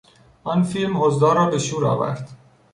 آن فیلم حضار را به شور آورد.